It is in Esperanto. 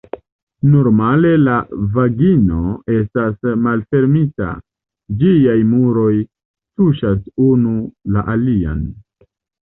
Normale la vagino estas malfermita, ĝiaj muroj tuŝas unu la alian.